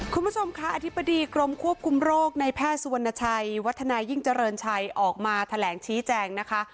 คุณผู้ชมคะอธิบดีกรมควบคุมโรคในแพทย์สุวรรณชัยวัฒนายิ่งเจริญชัยออกมาแถลงชี้แจงนะคะ